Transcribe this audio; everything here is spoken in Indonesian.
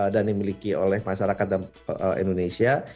dan dimiliki oleh masyarakat indonesia